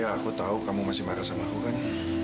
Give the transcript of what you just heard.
ya aku tahu kamu masih marah sama aku kan